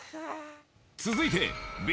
続いてＢ